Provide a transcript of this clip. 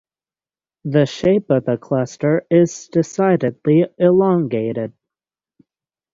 The shape of the cluster is decidedly elongated.